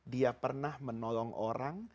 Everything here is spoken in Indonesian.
dia pernah menolong orang